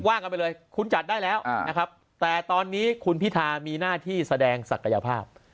ว่ากันไปเลยคุณจัดได้แล้วนะครับแต่ตอนนี้คุณพิธามีหน้าที่แสดงศักยภาพ